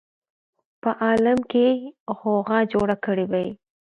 په عالم کې به یې غوغا جوړه کړې وای.